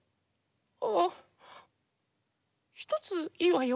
ああひとついいわよ。